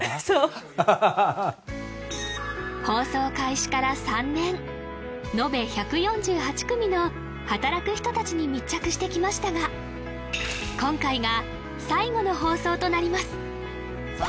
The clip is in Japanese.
そう放送開始から３年延べ１４８組の働く人達に密着してきましたが今回が最後の放送となります